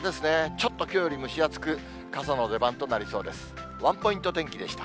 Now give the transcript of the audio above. ちょっときょうより蒸し暑く、傘の出番となりそうです。